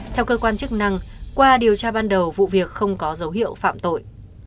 theo cơ quan chức năng qua điều tra ban đầu vụ việc không có dấu hiệu phạm tội